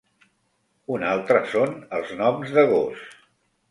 Un altre són els noms de gos.